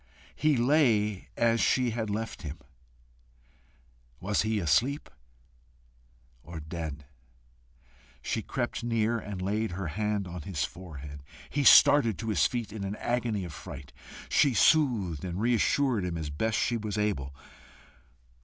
He lay as she had left him. Was he asleep, or dead? She crept near and laid her hand on his forehead. He started to his feet in an agony of fright. She soothed and reassured him as best she was able.